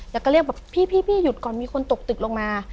แล้วก็เรียกแบบพี่หยุดก่อนมีคนตกตึกลงมา